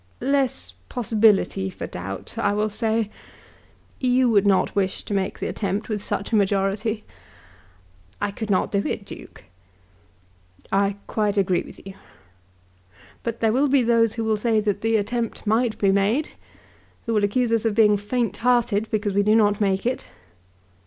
"Less possibility for doubt, I will say. You would not wish to make the attempt with such a majority?" "I could not do it, Duke!" "I quite agree with you. But there will be those who will say that the attempt might be made, who will accuse us of being faint hearted because we do not make it."